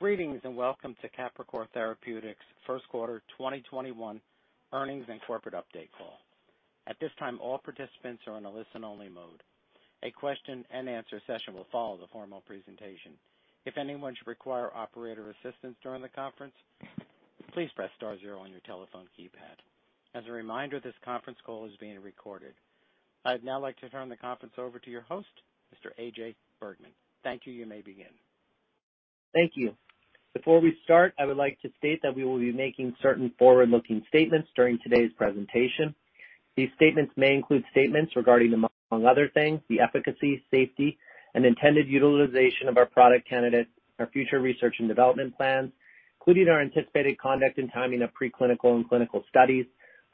Greetings and welcome to Capricor Therapeutics' first quarter 2021 earnings and corporate update call. At this time all participants are in a listen-only mode. A question and answer session will follow the formal presentation. If anyone should require operator assistance during the conference, please press star zero on your telephone keypad. As a reminder, this conference call is being recorded. I'd now like to turn the conference over to your host, Mr. A.J. Bergmann. Thank you. You may begin. Thank you. Before we start, I would like to state that we will be making certain forward-looking statements during today's presentation. These statements may include statements regarding, among other things, the efficacy, safety, and intended utilization of our product candidates, our future research and development plans, including our anticipated conduct and timing of pre-clinical and clinical studies,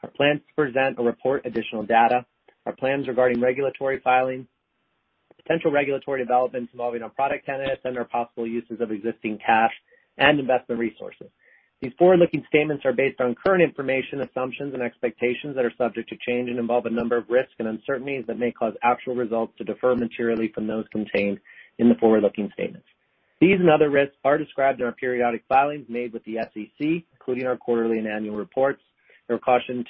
our plans to present or report additional data, our plans regarding regulatory filings, potential regulatory developments involving our product candidates, and our possible uses of existing cash and investment resources. These forward-looking statements are based on current information, assumptions, and expectations that are subject to change and involve a number of risks and uncertainties that may cause actual results to differ materially from those contained in the forward-looking statements. These and other risks are described in our periodic filings made with the SEC, including our quarterly and annual reports. We caution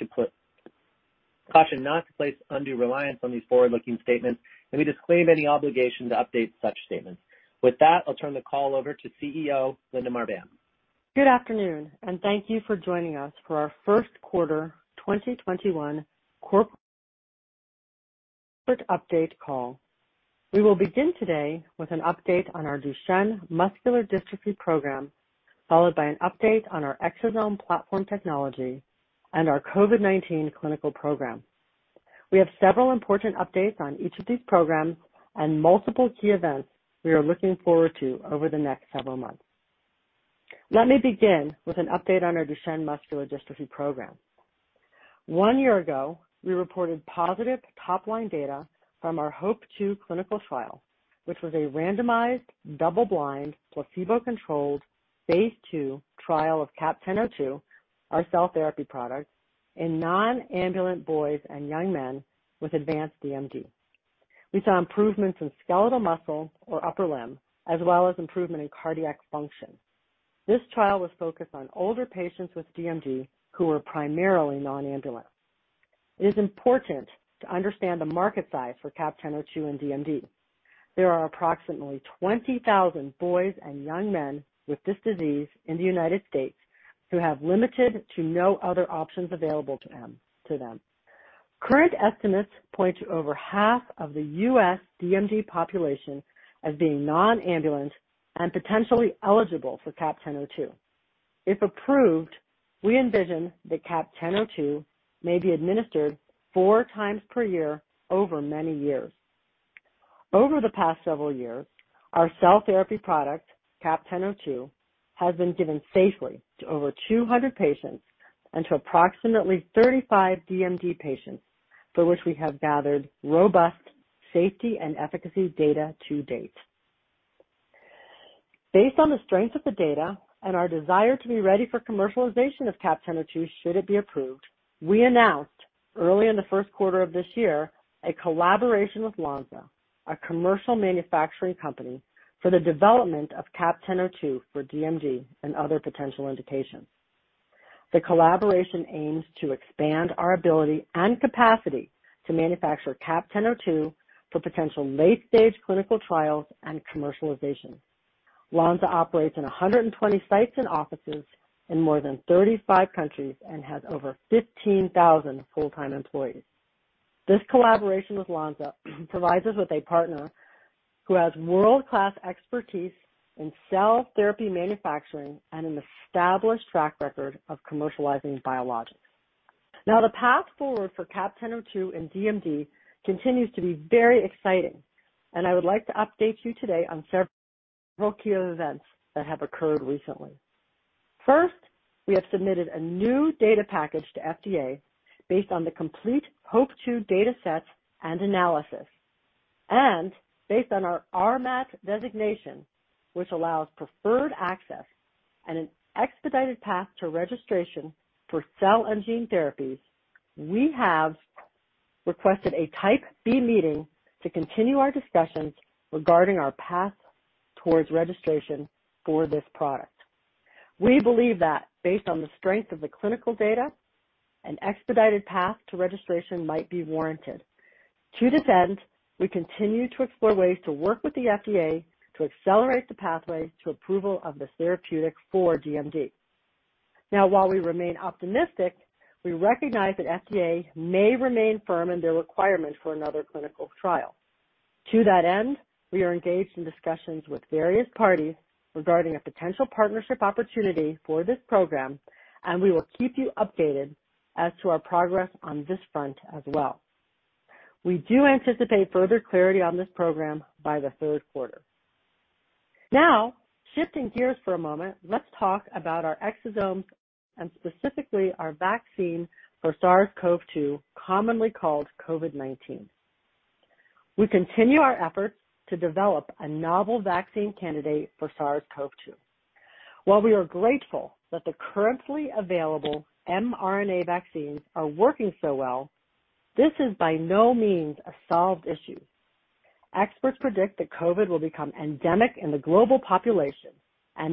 not to place undue reliance on these forward-looking statements, and we disclaim any obligation to update such statements. With that, I'll turn the call over to CEO Linda Marbán. Good afternoon and thank you for joining us for our first quarter 2021 corporate update call. We will begin today with an update on our Duchenne muscular dystrophy program, followed by an update on our exosome platform technology and our COVID-19 clinical program. We have several important updates on each of these programs and multiple key events we are looking forward to over the next several months. Let me begin with an update on our Duchenne muscular dystrophy program. One year ago, we reported positive top-line data from our HOPE-2 clinical trial, which was a randomized, double-blind, placebo-controlled phase II trial of CAP-1002, our cell therapy product, in non-ambulant boys and young men with advanced DMD. We saw improvements in skeletal muscle or upper limb, as well as improvement in cardiac function. This trial was focused on older patients with DMD who were primarily non-ambulant. It is important to understand the market size for CAP-1002 in DMD. There are approximately 20,000 boys and young men with this disease in the United States who have limited to no other options available to them. Current estimates point to over half of the U.S. DMD population as being non-ambulant and potentially eligible for CAP-1002. If approved, we envision that CAP-1002 may be administered four times per year over many years. Over the past several years, our cell therapy product, CAP-1002, has been given safely to over 200 patients and to approximately 35 DMD patients for which we have gathered robust safety and efficacy data to date. Based on the strength of the data and our desire to be ready for commercialization of CAP-1002 should it be approved, we announced early in the first quarter of this year a collaboration with Lonza, a commercial manufacturing company, for the development of CAP-1002 for DMD and other potential indications. The collaboration aims to expand our ability and capacity to manufacture CAP-1002 for potential late-stage clinical trials and commercialization. Lonza operates in 120 sites and offices in more than 35 countries and has over 15,000 full-time employees. This collaboration with Lonza provides us with a partner who has world-class expertise in cell therapy manufacturing and an established track record of commercializing biologics. The path forward for CAP-1002 and DMD continues to be very exciting, and I would like to update you today on several key events that have occurred recently. First, we have submitted a new data package to FDA based on the complete HOPE-2 data sets and analysis. Based on our RMAT designation, which allows preferred access and an expedited path to registration for cell and gene therapies, we have requested a Type B meeting to continue our discussions regarding our path towards registration for this product. We believe that based on the strength of the clinical data, an expedited path to registration might be warranted. To this end, we continue to explore ways to work with the FDA to accelerate the pathway to approval of this therapeutic for DMD. While we remain optimistic, we recognize that FDA may remain firm in their requirement for another clinical trial. To that end, we are engaged in discussions with various parties regarding a potential partnership opportunity for this program, and we will keep you updated as to our progress on this front as well. We do anticipate further clarity on this program by the third quarter. Shifting gears for a moment, let's talk about our exosome and specifically our vaccine for SARS-CoV-2, commonly called COVID-19. We continue our efforts to develop a novel vaccine candidate for SARS-CoV-2. While we are grateful that the currently available mRNA vaccines are working so well, this is by no means a solved issue. Experts predict that COVID will become endemic in the global population,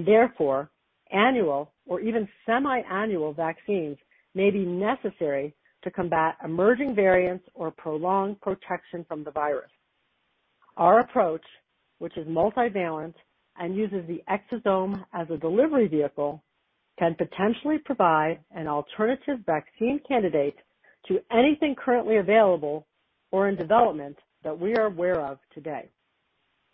therefore annual or even semi-annual vaccines may be necessary to combat emerging variants or prolong protection from the virus. Our approach, which is multivalent and uses the exosome as a delivery vehicle, can potentially provide an alternative vaccine candidate to anything currently available or in development that we are aware of today.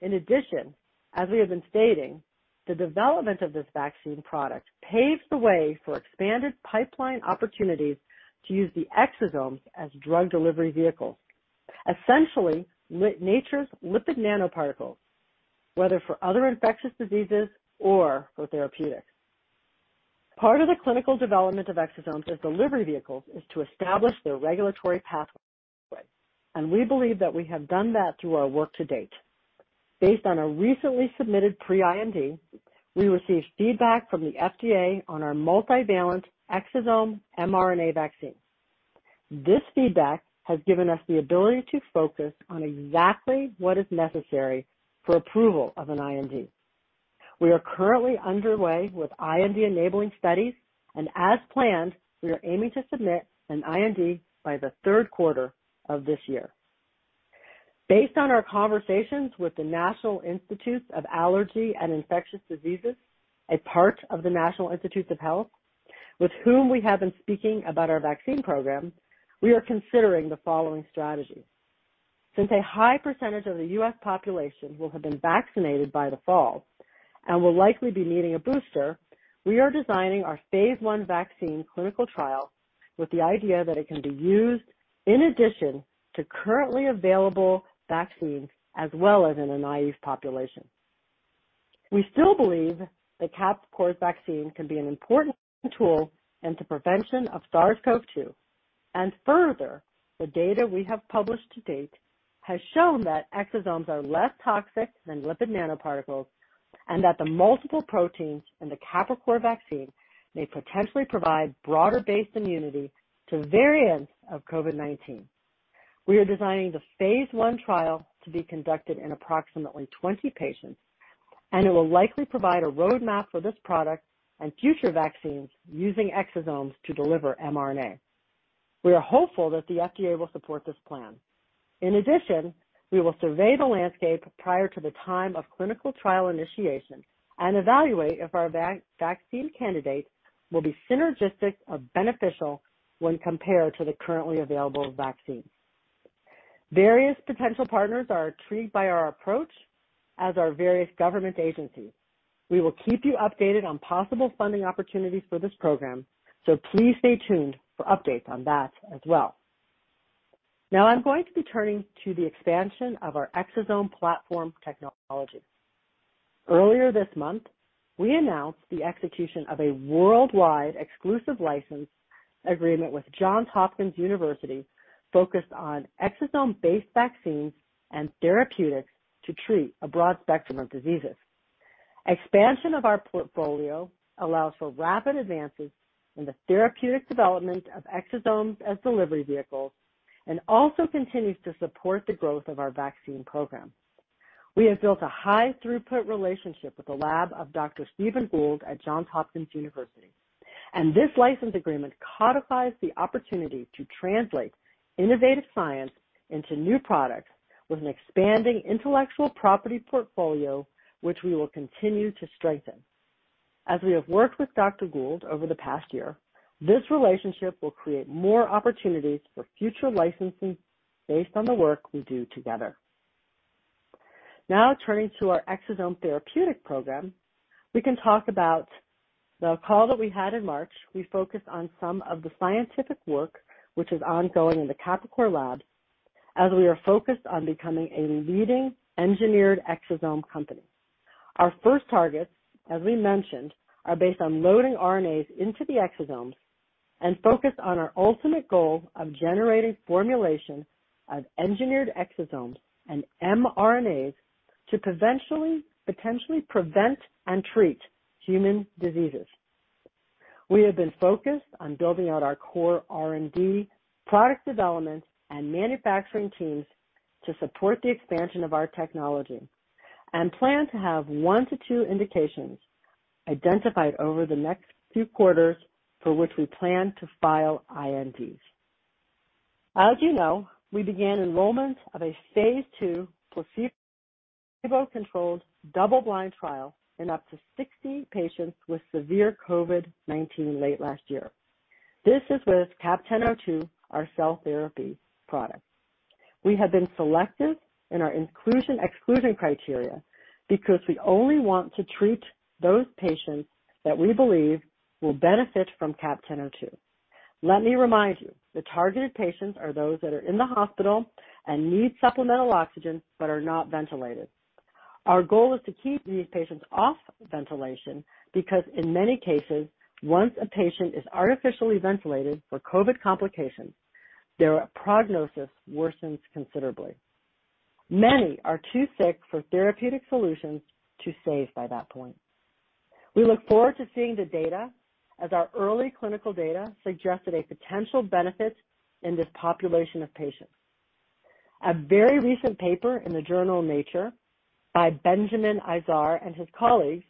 In addition, as we have been stating, the development of this vaccine product paves the way for expanded pipeline opportunities to use the exosomes as drug delivery vehicles, essentially nature's lipid nanoparticles, whether for other infectious diseases or for therapeutics. Part of the clinical development of exosomes as delivery vehicles is to establish their regulatory pathway, and we believe that we have done that through our work to date. Based on a recently submitted pre-IND, we received feedback from the FDA on our multivalent exosome mRNA vaccine. This feedback has given us the ability to focus on exactly what is necessary for approval of an IND. We are currently underway with IND-enabling studies. As planned, we are aiming to submit an IND by the third quarter of this year. Based on our conversations with the National Institute of Allergy and Infectious Diseases, a part of the National Institutes of Health, with whom we have been speaking about our vaccine program, we are considering the following strategy. Since a high percentage of the U.S. population will have been vaccinated by the fall, and will likely be needing a booster, we are designing our phase I vaccine clinical trial with the idea that it can be used in addition to currently available vaccines as well as in a naive population. We still believe the Capricor vaccine can be an important tool in the prevention of SARS-CoV-2. Further, the data we have published to date has shown that exosomes are less toxic than lipid nanoparticles, and that the multiple proteins in the Capricor vaccine may potentially provide broader-based immunity to variants of COVID-19. We are designing the phase I trial to be conducted in approximately 20 patients, and it will likely provide a roadmap for this product and future vaccines using exosomes to deliver mRNA. We are hopeful that the FDA will support this plan. In addition, we will survey the landscape prior to the time of clinical trial initiation and evaluate if our vaccine candidate will be synergistic or beneficial when compared to the currently available vaccines. Various potential partners are intrigued by our approach, as are various government agencies. We will keep you updated on possible funding opportunities for this program, please stay tuned for updates on that as well. Now I'm going to be turning to the expansion of our exosome platform technology. Earlier this month, we announced the execution of a worldwide exclusive license agreement with Johns Hopkins University focused on exosome-based vaccines and therapeutics to treat a broad spectrum of diseases. Expansion of our portfolio allows for rapid advances in the therapeutic development of exosomes as delivery vehicles and also continues to support the growth of our vaccine program. We have built a high throughput relationship with the lab of Dr. Stephen Gould at Johns Hopkins University, and this license agreement codifies the opportunity to translate innovative science into new products with an expanding intellectual property portfolio, which we will continue to strengthen. As we have worked with Dr. Gould over the past year, this relationship will create more opportunities for future licensing based on the work we do together. Now turning to our exosome therapeutic program, we can talk about the call that we had in March. We focused on some of the scientific work which is ongoing in the Capricor lab, as we are focused on becoming a leading engineered exosome company. Our first targets, as we mentioned, are based on loading RNAs into the exosomes and focused on our ultimate goal of generating formulation of engineered exosomes and mRNAs to potentially prevent and treat human diseases. We have been focused on building out our core R&D product development and manufacturing teams to support the expansion of our technology and plan to have one to two indications identified over the next few quarters for which we plan to file INDs. As you know, we began enrollment of a phase II placebo-controlled, double-blind trial in up to 60 patients with severe COVID-19 late last year. This is with CAP-1002, our cell therapy product. We have been selective in our inclusion/exclusion criteria because we only want to treat those patients that we believe will benefit from CAP-1002. Let me remind you, the targeted patients are those that are in the hospital and need supplemental oxygen but are not ventilated. Our goal is to keep these patients off ventilation because in many cases, once a patient is artificially ventilated for COVID complications, their prognosis worsens considerably. Many are too sick for therapeutic solutions to save by that point. We look forward to seeing the data, as our early clinical data suggested a potential benefit in this population of patients. A very recent paper in the journal "Nature" by Benjamin Izar and his colleagues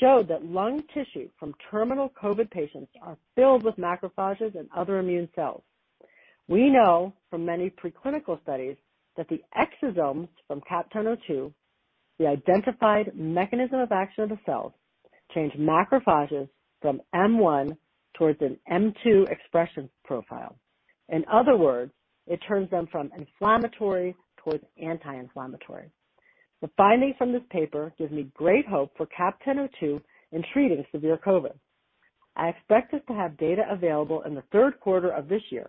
showed that lung tissue from terminal COVID patients are filled with macrophages and other immune cells. We know from many preclinical studies that the exosomes from CAP-1002, the identified mechanism of action of the cells, change macrophages from M1 towards an M2 expression profile. In other words, it turns them from inflammatory towards anti-inflammatory. The findings from this paper give me great hope for CAP-1002 in treating severe COVID. I expect us to have data available in the third quarter of this year.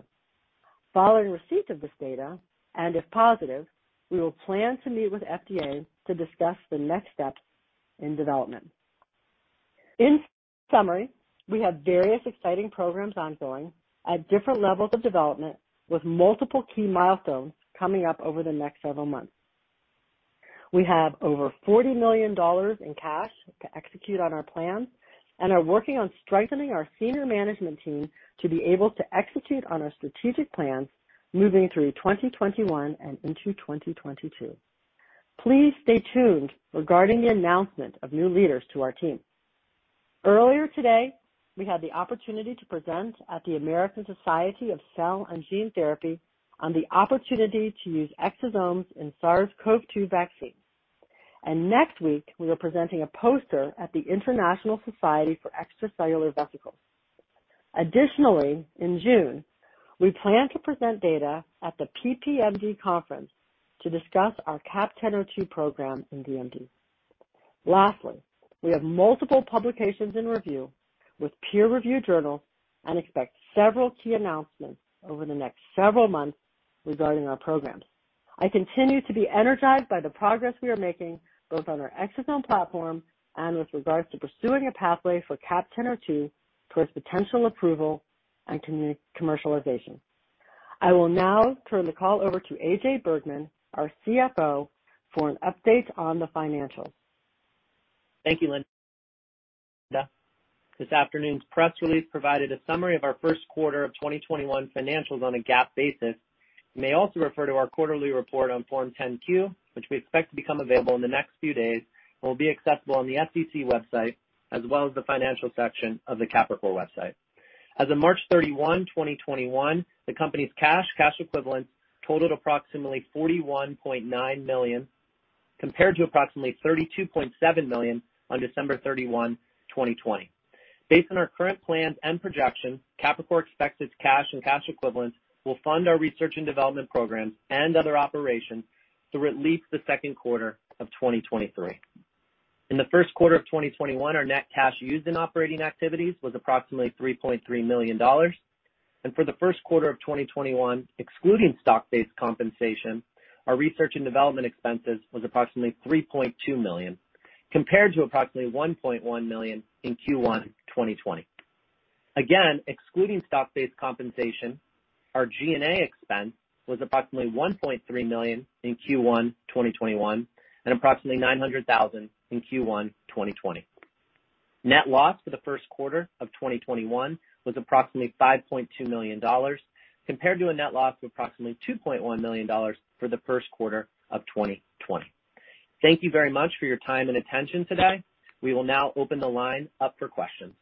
Following receipt of this data, and if positive, we will plan to meet with FDA to discuss the next steps in development. In summary, we have various exciting programs ongoing at different levels of development with multiple key milestones coming up over the next several months. We have over $40 million in cash to execute on our plans and are working on strengthening our senior management team to be able to execute on our strategic plans moving through 2021 and into 2022. Please stay tuned regarding the announcement of new leaders to our team. Earlier today, we had the opportunity to present at the American Society of Gene & Cell Therapy on the opportunity to use exosomes in SARS-CoV-2 vaccines. Next week, we are presenting a poster at the International Society for Extracellular Vesicles. Additionally, in June, we plan to present data at the PPMD Conference to discuss our CAP-1002 program in DMD. Lastly, we have multiple publications in review with peer-review journals and expect several key announcements over the next several months regarding our programs. I continue to be energized by the progress we are making, both on our exosome platform and with regards to pursuing a pathway for CAP-1002 towards potential approval and commercialization. I will now turn the call over to A.J. Bergmann, our CFO for an update on the financials. Thank you Linda. This afternoon's press release provided a summary of our first quarter of 2021 financials on a GAAP basis. You may also refer to our quarterly report on Form 10-Q, which we expect to become available in the next few days and will be accessible on the SEC website, as well as the financial section of the Capricor website. As of March 31, 2021, the company's cash equivalents totaled approximately $41.9 million, compared to approximately $32.7 million on December 31, 2020. Based on our current plans and projections, Capricor expects its cash and cash equivalents will fund our research and development programs and other operations through at least the second quarter of 2023. In the first quarter of 2021, our net cash used in operating activities was approximately $3.3 million. For the first quarter of 2021, excluding stock-based compensation, our research and development expenses was approximately $3.2 million, compared to approximately $1.1 million in Q1 2020. Again, excluding stock-based compensation, our G&A expense was approximately $1.3 million in Q1 2021 and approximately $900,000 in Q1 2020. Net loss for the first quarter of 2021 was approximately $5.2 million, compared to a net loss of approximately $2.1 million for the first quarter of 2020. Thank you very much for your time and attention today. We will now open the line up for questions.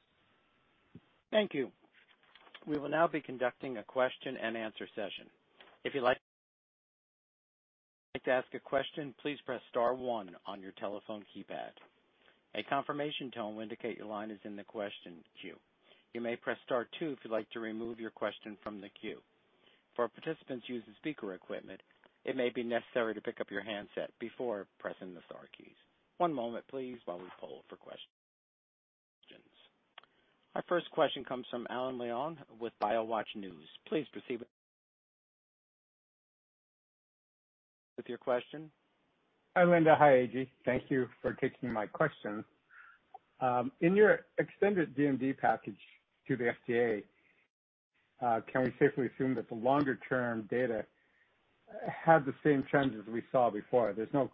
Our first question comes from Alan Leong with BioWatch News. Please proceed with your question. Hi Linda. Hi A.J. Thank you for taking my question. In your extended DMD package to the FDA, can we safely assume that the longer-term data had the same trends as we saw before? There's no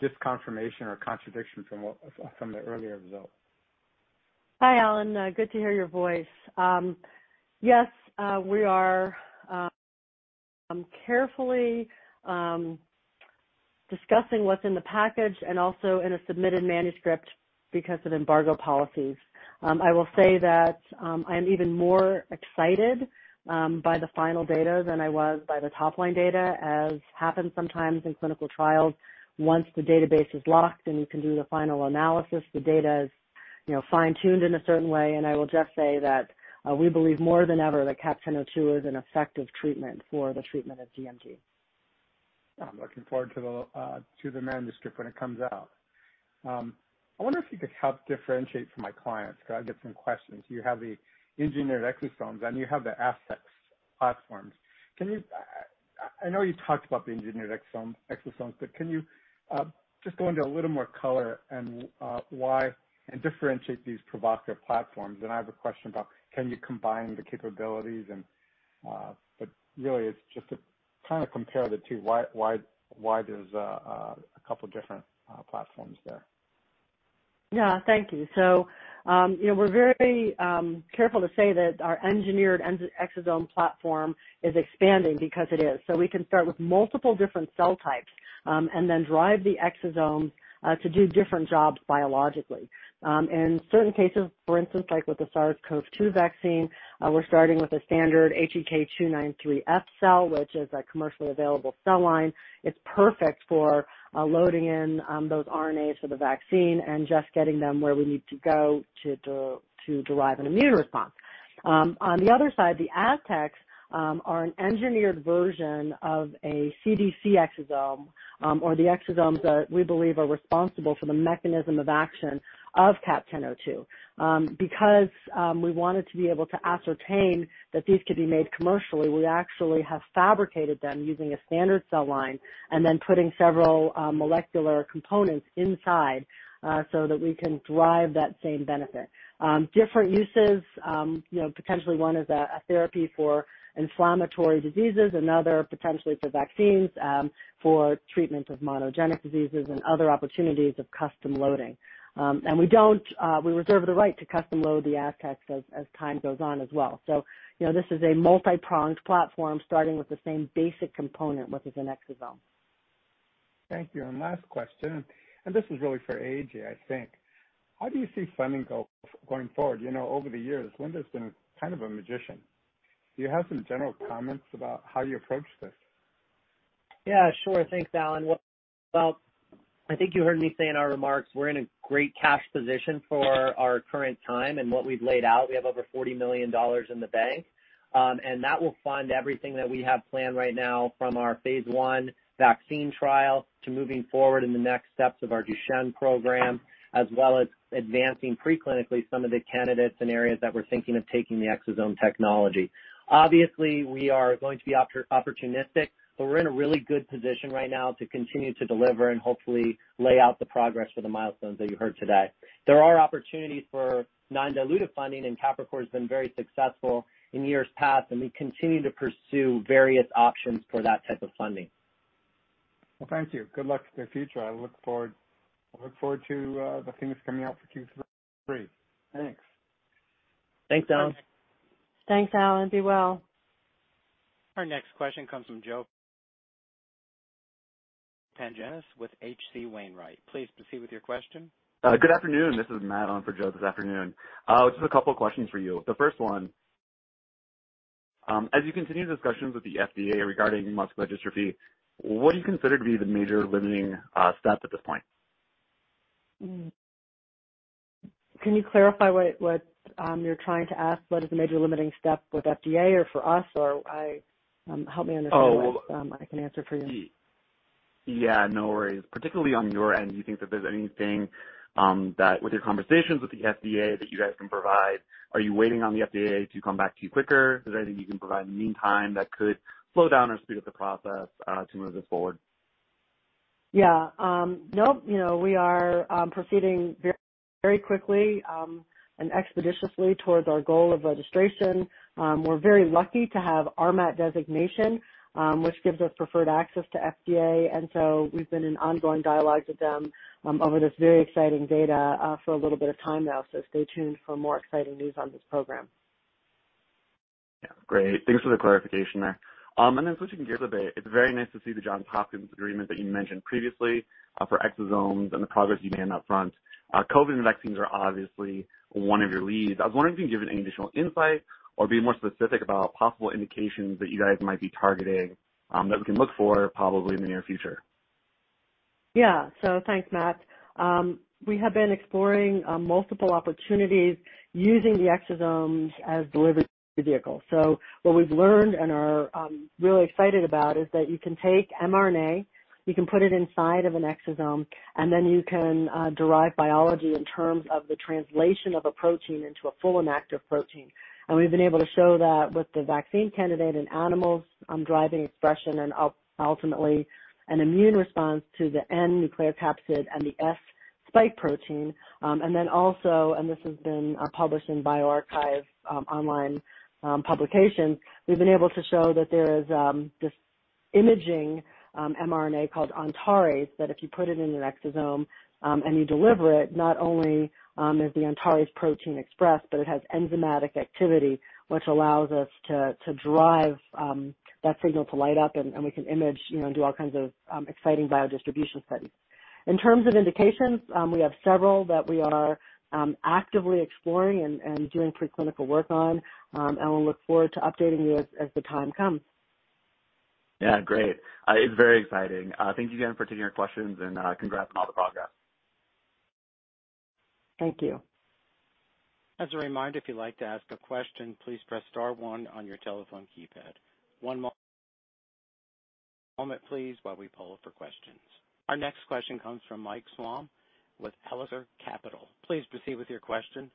disconfirmation or contradiction from the earlier results? Hi Alan. Good to hear your voice. Yes, we are carefully discussing what's in the package and also in a submitted manuscript because of embargo policies. I will say that I'm even more excited by the final data than I was by the top-line data. As happens sometimes in clinical trials, once the database is locked and you can do the final analysis, the data is fine-tuned in a certain way. I will just say that we believe more than ever that CAP-1002 is an effective treatment for the treatment of DMD. I'm looking forward to the manuscript when it comes out. I wonder if you could help differentiate for my clients, because I get some questions. You have the engineered exosomes, and you have the StealthX platforms. I know you talked about the engineered exosomes. Can you just go into a little more color and differentiate these provocative platforms? I have a question about can you combine the capabilities. Really, it's just to kind of compare the two, why there's a couple different platforms there. Yeah, thank you. We're very careful to say that our engineered exosome platform is expanding, because it is. We can start with multiple different cell types, and then drive the exosome to do different jobs biologically. In certain cases, for instance, like with the SARS-CoV-2 vaccine, we're starting with a standard HEK293-F cell, which is a commercially available cell line. It's perfect for loading in those RNAs for the vaccine and just getting them where we need to go to derive an immune response. On the other side, the StealthX are an engineered version of a CDC exosome or the exosomes that we believe are responsible for the mechanism of action of CAP-1002. We wanted to be able to ascertain that these could be made commercially, we actually have fabricated them using a standard cell line and then putting several molecular components inside so that we can drive that same benefit. Different uses, potentially one is a therapy for inflammatory diseases, another potentially for vaccines, for treatment of monogenic diseases, and other opportunities of custom loading. We reserve the right to custom load the StealthX as time goes on as well. This is a multi-pronged platform starting with the same basic component, which is an exosome. Thank you. Last question, and this is really for A.J., I think. How do you see funding going forward? Over the years, Linda's been kind of a magician. Do you have some general comments about how you approach this? Yeah sure. Thanks Alan. Well, I think you heard me say in our remarks, we're in a great cash position for our current time and what we've laid out. We have over $40 million in the bank, and that will fund everything that we have planned right now from our phase I vaccine trial to moving forward in the next steps of our Duchenne program, as well as advancing pre-clinically some of the candidates in areas that we're thinking of taking the exosome technology. Obviously, we are going to be opportunistic, but we're in a really good position right now to continue to deliver and hopefully lay out the progress for the milestones that you heard today. There are opportunities for non-dilutive funding, and Capricor has been very successful in years past, and we continue to pursue various options for that type of funding. Well, thank you. Good luck to the future. I look forward to the things coming out for Q3. Thanks. Thanks Alan. Thanks Alan. Be well. Our next question comes from Joseph Pantginis with H.C. Wainwright. Please proceed with your question. Good afternoon. This is Matt on for Joe this afternoon. Just a couple questions for you. The first one, as you continue discussions with the FDA regarding muscular dystrophy, what do you consider to be the major limiting step at this point? Can you clarify what you're trying to ask? What is the major limiting step with FDA or for us, or help me understand? Oh I can answer for you. Yeah no worries. Particularly on your end, do you think that there's anything that, with your conversations with the FDA, that you guys can provide? Are you waiting on the FDA to come back to you quicker? Is there anything you can provide in the meantime that could slow down or speed up the process to move this forward? Yeah. No, we are proceeding very quickly and expeditiously towards our goal of registration. We're very lucky to have RMAT designation, which gives us preferred access to FDA, and so we've been in ongoing dialogue with them over this very exciting data for a little bit of time now. Stay tuned for more exciting news on this program. Yeah. Great. Thanks for the clarification there. Then switching gears a bit, it's very nice to see the Johns Hopkins agreement that you mentioned previously for exosomes and the progress you made on upfront. COVID-19 vaccines are obviously one of your leads. I was wondering if you can give any additional insight or be more specific about possible indications that you guys might be targeting that we can look for probably in the near future. Thanks Matt. We have been exploring multiple opportunities using the exosomes as delivery vehicles. What we've learned and are really excited about is that you can take mRNA, you can put it inside of an exosome, and then you can derive biology in terms of the translation of a protein into a full and active protein. We've been able to show that with the vaccine candidate in animals, driving expression and ultimately an immune response to the N nucleocapsid and the S spike protein. Also, this has been published in bioRxiv online publications, we've been able to show that there is this imaging mRNA called Antares, that if you put it in an exosome and you deliver it, not only is the Antares protein expressed, but it has enzymatic activity, which allows us to drive that signal to light up, and we can image and do all kinds of exciting biodistribution studies. In terms of indications, we have several that we are actively exploring and doing pre-clinical work on, and we'll look forward to updating you as the time comes. Yeah great. It's very exciting. Thank you again for taking our questions and congrats on all the progress. Thank you. As a reminder, if you'd like to ask a question, please press star one on your telephone keypad. One moment please, while we poll for questions. Our next question comes from Mike Wamp with LakeWater Capital. Please proceed with your question.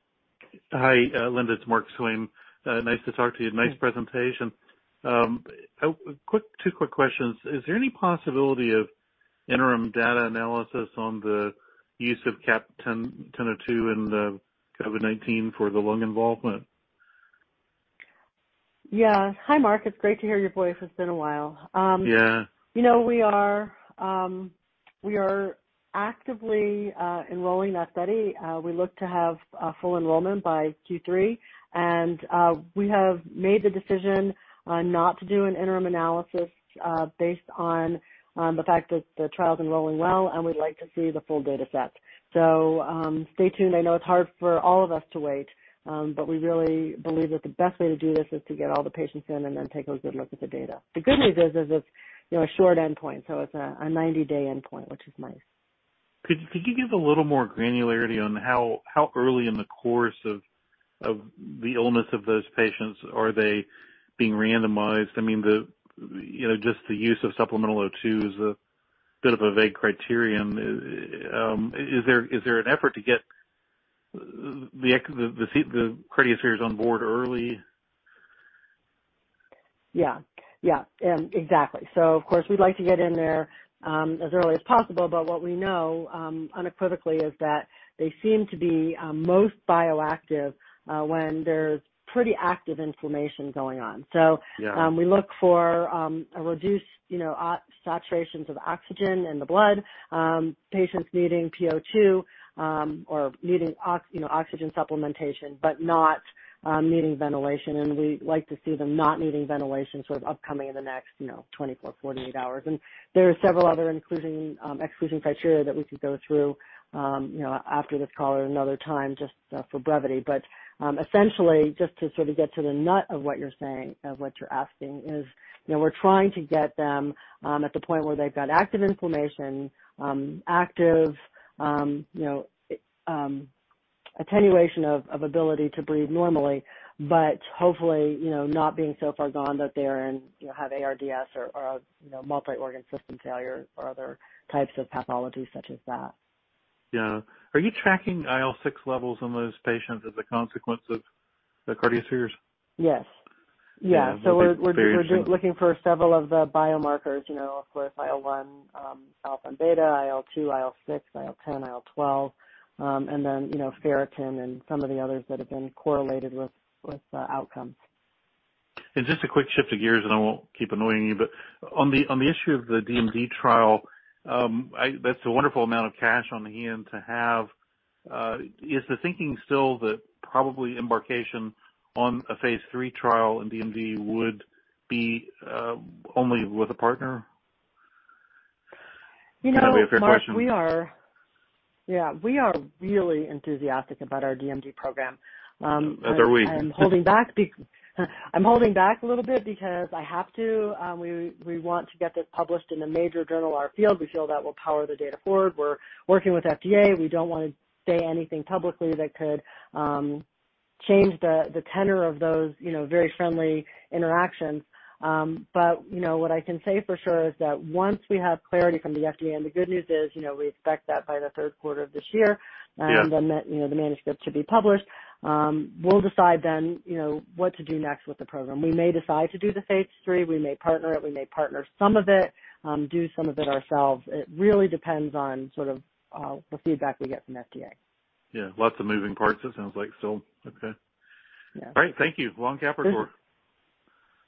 Hi Linda. It's Mike Wamp. Nice to talk to you. Nice presentation. Two quick questions. Is there any possibility of interim data analysis on the use of CAP-1002 in the COVID-19 for the lung involvement? Yeah. Hi Mike. It's great to hear your voice. It's been a while. Yeah. We are actively enrolling that study. We look to have a full enrollment by Q3. We have made the decision not to do an interim analysis based on the fact that the trial's enrolling well, and we'd like to see the full data set. Stay tuned. I know it's hard for all of us to wait. We really believe that the best way to do this is to get all the patients in and then take a good look at the data. The good news is it's a short endpoint. It's a 90-day endpoint, which is nice. Could you give a little more granularity on how early in the course of the illness of those patients are they being randomized? Just the use of supplemental O2 is a bit of a vague criterion. Is there an effort to get the cardiospheres on board early? Yeah. Exactly. Of course, we'd like to get in there as early as possible, but what we know unequivocally is that they seem to be most bioactive when there's pretty active inflammation going on. Yeah. We look for a reduced saturations of oxygen in the blood, patients needing PO2 or needing oxygen supplementation, but not needing ventilation. We like to see them not needing ventilation upcoming in the next 24, 48 hours. There are several other exclusion criteria that we could go through after this call at another time just for brevity. Essentially, just to get to the nut of what you're saying, of what you're asking is, we're trying to get them at the point where they've got active inflammation, active attenuation of ability to breathe normally, but hopefully not being so far gone that they have ARDS or multiple organ system failure or other types of pathologies such as that. Yeah. Are you tracking IL-6 levels in those patients as a consequence of the cardiospheres? Yes. Yeah. Okay. Very true. We're looking for several of the biomarkers, of course, IL-1, alpha and beta, IL-2, IL-6, IL-10, IL-12, and then ferritin and some of the others that have been correlated with outcomes. Just a quick shift of gears, and I won't keep annoying you, but on the issue of the DMD trial, that's a wonderful amount of cash on hand to have. Is the thinking still that probably embarkation on a phase III trial in DMD would be only with a partner? Is that a fair question? Mike, we are really enthusiastic about our DMD program. As are we. I'm holding back a little bit because I have to. We want to get this published in a major journal in our field. We feel that will power the data forward. We're working with FDA. We don't want to say anything publicly that could change the tenor of those very friendly interactions. What I can say for sure is that once we have clarity from the FDA, and the good news is we expect that by the third quarter of this year. Yeah The manuscript should be published. We'll decide then what to do next with the program. We may decide to do the phase III. We may partner it. We may partner some of it, do some of it ourselves. It really depends on the feedback we get from FDA. Yeah. Lots of moving parts, it sounds like still. Okay. Yeah. All right. Thank you. Long Capricor.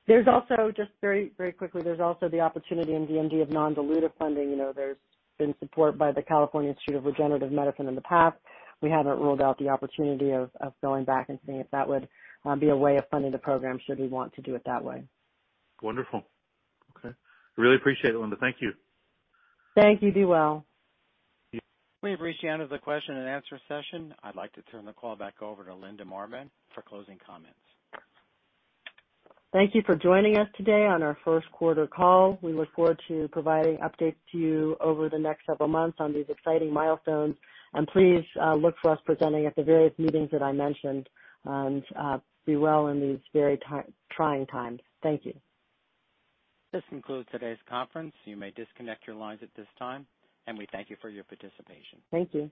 Just very quickly, there's also the opportunity in DMD of non-dilutive funding. There's been support by the California Institute for Regenerative Medicine in the past. We haven't ruled out the opportunity of going back and seeing if that would be a way of funding the program should we want to do it that way. Wonderful. Okay. Really appreciate it Linda. Thank you. Thank you. Be well. Yeah. We've reached the end of the question and answer session. I'd like to turn the call back over to Linda Marbán for closing comments. Thank you for joining us today on our first quarter call. We look forward to providing updates to you over the next several months on these exciting milestones. Please look for us presenting at the various meetings that I mentioned. Be well in these very trying times. Thank you. This concludes today's conference. You may disconnect your lines at this time, and we thank you for your participation. Thank you.